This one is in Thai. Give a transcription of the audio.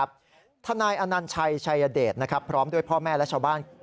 ทนายอนัญชัยชัยเดชพร้อมด้วยพ่อแม่และชาวบ้าน